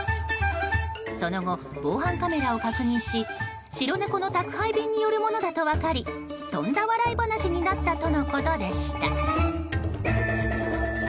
その後、防犯カメラを確認し白猫の宅配便によるものだと分かりとんだ笑い話になったとのことでした。